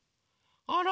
あら。